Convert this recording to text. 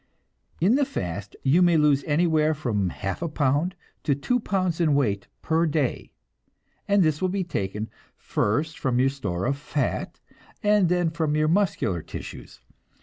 In the fast you may lose anywhere from half a pound to two pounds in weight per day, and this will be taken, first from your store of fat, and then from your muscular tissues.